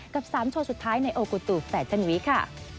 กับ๓โชว์สุดท้ายในโอกูตูแฟชั่นวีคค่ะ